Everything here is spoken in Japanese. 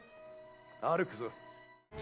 歩くぞ。